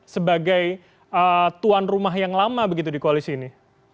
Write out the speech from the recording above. sebagai tuan rumah yang lama begitu di koalisi ini